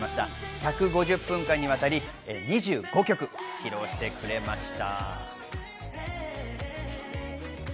１５０分間にわたり２５曲、披露してくれました。